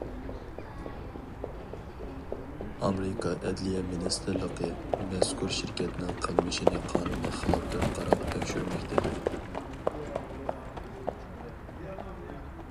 ئامېرىكا ئەدلىيە مىنىستىرلىقى مەزكۇر شىركەتنىڭ قىلمىشنى قانۇنغا خىلاپ دەپ قاراپ تەكشۈرمەكتە.